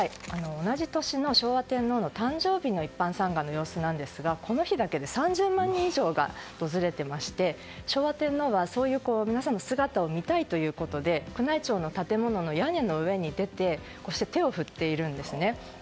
同じ年の昭和天皇の誕生日の一般参賀の様子なんですがこの日だけで３０万人以上が訪れていまして昭和天皇は皆さんの姿を見たいということで宮内庁の建物の屋根の上に出て手を振っているんですね。